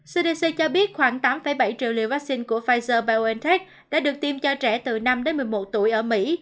cdc cho biết khoảng tám bảy triệu liều vaccine của pfizer biontech đã được tiêm cho trẻ từ năm đến một mươi một tuổi ở mỹ